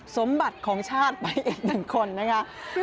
สมบัติของชาติไปอีกหนึ่งคนนะคะ